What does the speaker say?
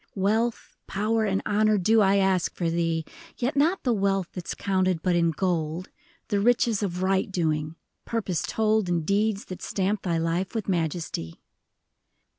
Wealth, power, and honor do I ask for thee ; Yet not the wealth that 's counted but in gold ; The riches of right doing — purpose told In deeds that stamp thy life with majesty.